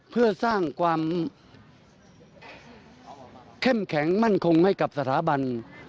เพื่อสร้างความเข้มแข็งมั่นคงให้กับสถาบัน